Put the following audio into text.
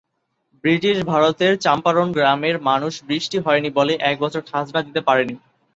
British ভারতের চম্পারণ গ্রামের মানুষ বৃষ্টি হয়নি বলে এক বছর খাজনা দিতে পারেনি।